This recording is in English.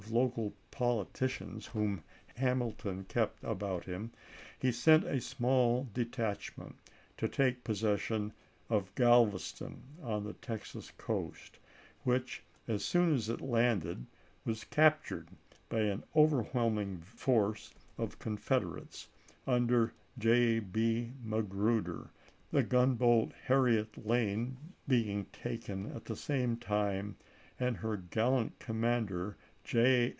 local politicians whom Hamilton kept about him, he sent a small detachment to take possession of Galveston on the Texan coast, which, as soon as it landed, was captured by an overwhelming force of volxxvl, Confederates under J. B. Magruder, the gunboat pim,*! Harriet Lane being taken at the same time and her gallant commander, J.